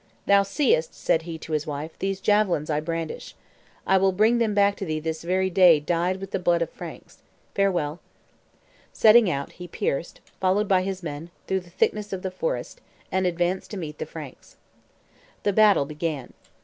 "Thou seest," said he to his wife, "these javelins I brandish: I will bring them back to thee this very day dyed with the blood of Franks. Farewell." Setting out he pierced, followed by his men, through the thickness of the forest, and advanced to meet the Franks. The battle began.